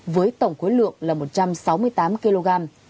với tổng khối lượng là một trăm sáu mươi tám kg